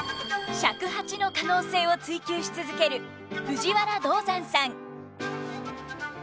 尺八の可能性を追求し続ける藤原道山さん。